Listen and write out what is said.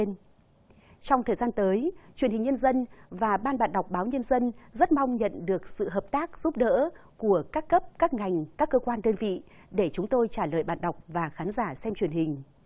trong thời gian tới truyền hình nhân dân và ban bạn đọc báo nhân dân rất mong nhận được sự hợp tác giúp đỡ của các cấp các ngành các cơ quan đơn vị để chúng tôi trả lời bạn đọc và khán giả xem truyền hình